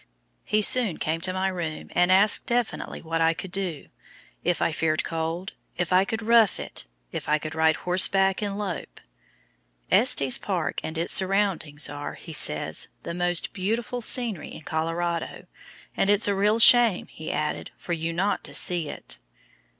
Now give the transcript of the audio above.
He soon came to my room and asked definitely what I could do if I feared cold, if I could "rough it," if I could "ride horseback and lope." Estes Park and its surroundings are, he says, "the most beautiful scenery in Colorado," and "it's a real shame," he added, "for you not to see it."